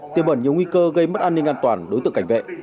tiêu bẩn nhiều nguy cơ gây mất an ninh an toàn đối tượng cảnh vệ